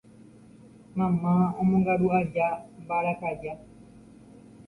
mamá omongaru aja mbarakaja